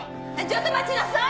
ちょっと待ちなさい！